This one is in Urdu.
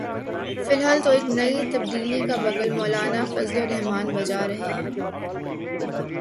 فی الحال تو ایک نئی تبدیلی کا بگل مولانا فضل الرحمان بجا رہے ہیں۔